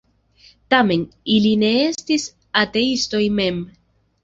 Tamen, ili ne estis ateistoj mem.